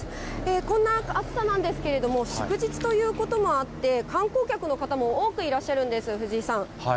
こんな暑さなんですけれども、祝日ということもあって、観光客の方も多くいらっしゃるんです、藤井さん。